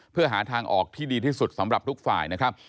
เพื่อหาทางออกที่ดีที่สุดสำหรับทุกฝ่ายนะครับ